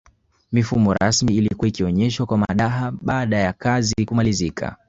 Mifumo rasmi ilikuwa ikionyeshwa kwa madaha baada yakazi kumalizika